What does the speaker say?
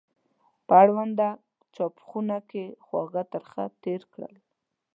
په اړونده چایخونه کې خواږه ترخه تېر کړل.